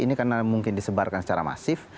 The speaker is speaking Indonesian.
ini karena mungkin disebarkan secara masif